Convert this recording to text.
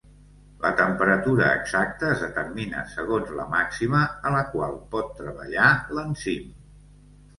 La temperatura exacta es determina segons la màxima a la qual pot treballar l'enzim.